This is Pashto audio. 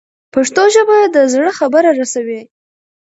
پښتو ژبه د زړه خبره رسوي.